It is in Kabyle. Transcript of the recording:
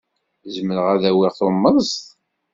Zemreɣ ad awiɣ tummeẓt?